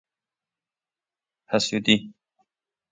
حسودی